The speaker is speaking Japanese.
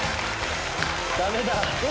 ダメだ。